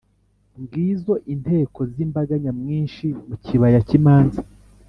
Ngizo inteko z’imbaga nyamwinshi mu kibaya cy’imanza,